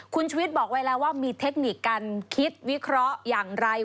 คุณชุวิตบอกไว้แล้วว่ามีเทคนิคการคิดวิเคราะห์อย่างไร